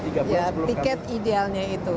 ya tiket idealnya itu